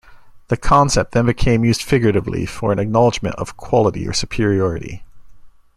The concept then became used figuratively for an acknowledgement of quality or superiority.